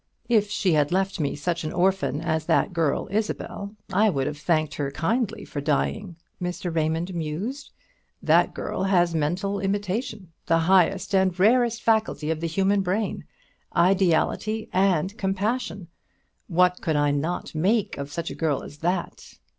"If she had left me such an orphan as that girl Isabel, I would have thanked her kindly for dying," Mr. Raymond mused "That girl has mental imitation, the highest and rarest faculty of the human brain, ideality, and comparison. What could I not make of such a girl as that?